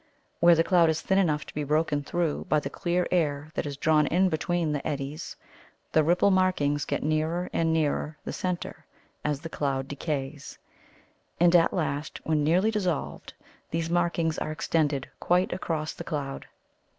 Where the cloud is thin enough to be broken through by the clear air that is drawn in between the eddies, the ripple markings get nearer and nearer the centre, as the cloud decays. And, at last, when nearly dissolved, these markings are extended quite across the cloud.